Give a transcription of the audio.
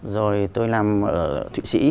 rồi tôi làm ở thụy sĩ